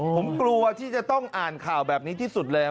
ผมกลัวที่จะต้องอ่านข่าวแบบนี้ที่สุดเลย